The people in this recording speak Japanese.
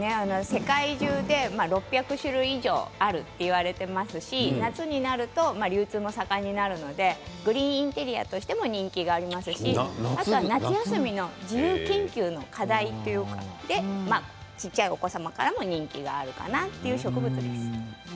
世界中で６００種類以上あるといわれていますし夏になると流通も盛んになるのでグリーンインテリアとしても人気がありますしあと夏休みの自由研究の課題でも小さいお子様からも人気があるという植物です。